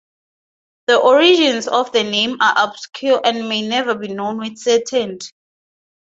The origins of the name are obscure and may never be known with certainty.